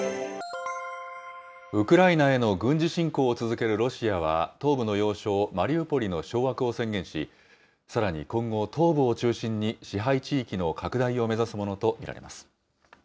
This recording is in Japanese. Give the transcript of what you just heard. ウクライナへの軍事侵攻を続けるロシアは、東部の要衝マリウポリの掌握を宣言し、さらに今後、東部を中心に、支配地域の拡大を目指すものと見られます。